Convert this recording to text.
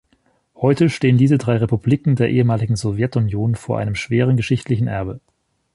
Heute stehen diese drei Republiken der ehemaligen Sowjetunion vor einem schweren geschichtlichen Erbe.